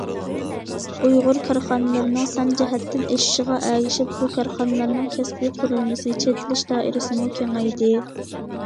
ئۇيغۇر كارخانىلىرىنىڭ سان جەھەتتىن ئېشىشىغا ئەگىشىپ، بۇ كارخانىلارنىڭ كەسپىي قۇرۇلمىسى، چېتىلىش دائىرىسىمۇ كېڭەيدى.